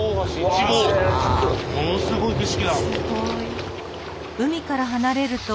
ものすごい景色だ。